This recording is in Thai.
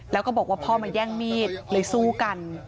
แล้วก็บอกว่าพ่อมาแย่งมีดเลยสู้กัน